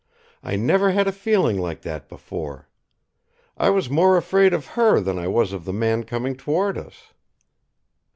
I never had a feeling like that before. I was more afraid of her than I was of the man coming toward us."